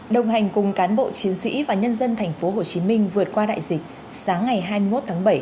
đồng hành cùng cán bộ chiến sĩ và nhân dân thành phố hồ chí minh vượt qua đại dịch sáng ngày hai mươi một tháng bảy